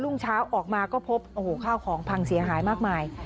่งเช้าออกมาก็พบโอ้โหข้าวของพังเสียหายมากมาย